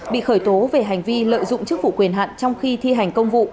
bị khởi tố về hành vi lợi dụng chức vụ quyền hạn trong khi thi hành công vụ